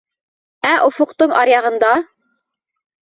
— Ә офоҡтоң аръяғында?